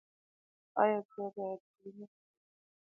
ایا زه باید کریم وکاروم؟